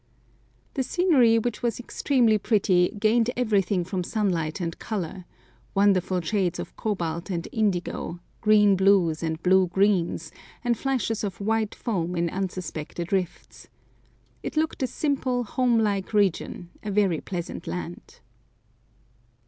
The scenery, which was extremely pretty, gained everything from sunlight and colour—wonderful shades of cobalt and indigo, green blues and blue greens, and flashes of white foam in unsuspected rifts. It looked a simple, home like region, a very pleasant land.